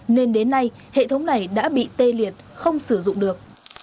nên đến nay hệ thống này đã bị tê liệt không sử dụng được